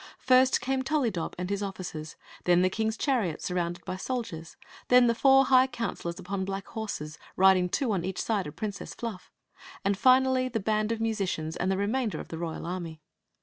First came ToUydob kas offietrs: then the S^o^ of the Magic Cloak 53 king s chariot, surrounded by soldiers ; then the four Wgh counselors upon black horses, riding two on &tch side of Princess Fluff; and» finally, the bamd of musicians and the remainder oi the royal army.